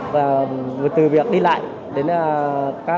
và từ việc đi lại đến các